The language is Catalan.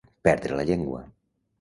Perdre la llengua.